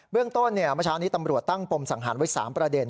เรื่องต้นเมื่อเช้านี้ตำรวจตั้งปมสังหารไว้๓ประเด็น